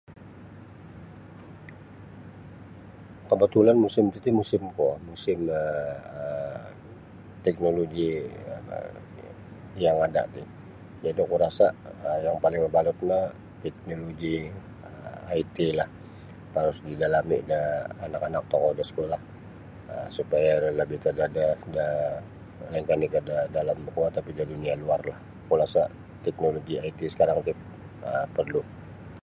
Kabatulan musim titi musim kuo musim um tiknoloji yang ada ti jadi' oku rasa um yang paling mabalut no tiknoloji IT lah harus didalami da anak-anak tokou da sekolah um supaya iro labih terdedah da lainkah nini' ka da dalam kuo tapi dunia luarlah. Oku rasa' tiknoloji IT sakarang ti um porlu.